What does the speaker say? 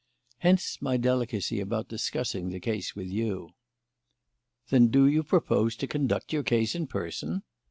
Hence my delicacy about discussing the case with you." "Then do you propose to conduct your case in person?"